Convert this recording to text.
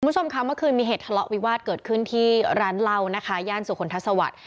คุณผู้ชมค่ะเมื่อคืนมีเหตุทะเลาะวิวาสเกิดขึ้นที่ร้านเหล้านะคะย่านสุคลทัศวรรค